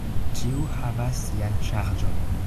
Ĉiu havas sian ŝarĝon.